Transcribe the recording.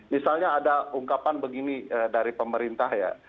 misalnya ada ungkapan begini dari pemerintah ya